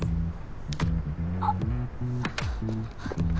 あっ！